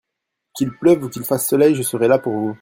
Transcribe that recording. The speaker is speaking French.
Qu'il pleuve ou qu'il fasse soleil, je serai là pour vous.